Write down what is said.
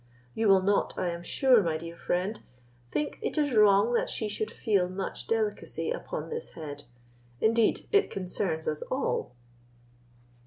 You will not, I am sure, my dear friend, think it is wrong that she should feel much delicacy upon this head; indeed, it concerns us all."